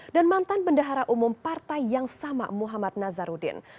dan mantan bendahara umum partai yang sama muhammad nazarudin